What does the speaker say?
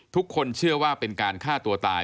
ทุกคนเชื่อว่าเป็นการฆ่าตัวตาย